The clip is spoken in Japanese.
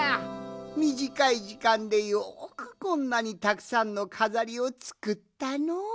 みじかいじかんでよくこんなにたくさんのかざりをつくったのう。